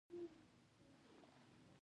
د ښکلي نظر اغېز د زړه په تل کې ځای نیسي.